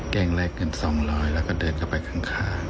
เกงแลกเงิน๒๐๐แล้วก็เดินเข้าไปข้าง